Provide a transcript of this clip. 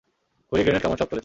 গুলি, গ্রেনেড, কামান, সব চলেছে।